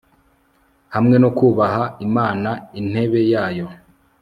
hamwe no kubaha Imana intebe yayo